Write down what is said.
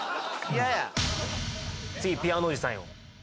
嫌や次ピアノおじさんよ